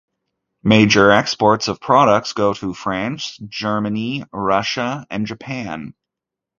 Major exports of products go to France, Germany, Russia and Japan.